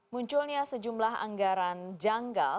munculnya sejumlah anggaran janggal